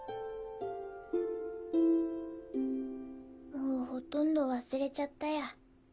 もうほとんど忘れちゃったや。